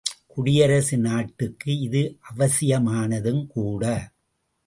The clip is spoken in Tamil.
குடியரசு நாட்டுக்கு இது அவசியமானதும் கூட!